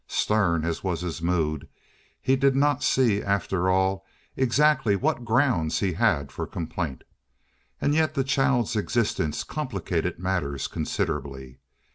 Stern as was his mood, he did not see, after all, exactly what grounds he had for complaint. And yet the child's existence complicated matters considerably.